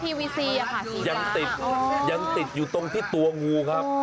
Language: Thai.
ตั้งกับก็ยังติดอยู่ตรงที่ตัวงูครับ